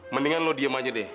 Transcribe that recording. mendingan lo diem aja deh